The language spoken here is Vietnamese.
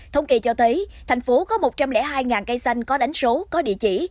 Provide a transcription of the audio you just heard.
thông kỳ cho thấy thành phố có một trăm linh hai cây xanh có đánh số có địa chỉ